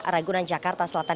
raguna jakarta selatan